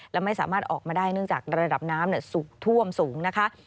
และไม่สามารถออกมาได้เนื่องจากระดับน้ำท่วมสูงนะคะ